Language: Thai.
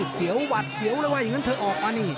เสียวหวัดเสียวเลยว่าอย่างนั้นเธอออกมานี่